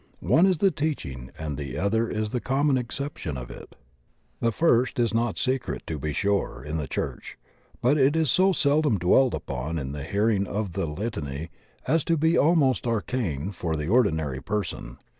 One is the teaching and the other the com mon acceptation of it; the first is not secret, to be sure, in the Qiurch, but it is so seldom dwelt upon in the hearing of the laity as to be almost arcane for the or dinary person.